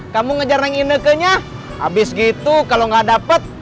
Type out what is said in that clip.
kamu ngejar neng inekenya abis gitu kalo ga dapet